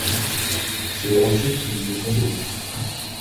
C'est le rocher qui nous est tombé dessus.